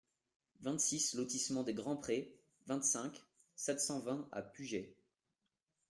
vingt-six lotissement les Grands Prés, vingt-cinq, sept cent vingt à Pugey